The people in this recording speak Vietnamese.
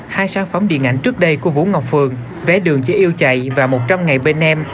hai sản phẩm điện ảnh trước đây của vũ ngọc phường vé đường chỉ yêu chạy và một trăm linh ngày bên em